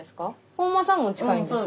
本間さんも近いんですか？